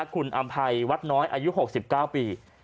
คุณอำภัยวัดน้อยอายุ๖๙ปี